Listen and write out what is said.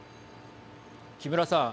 木村さん。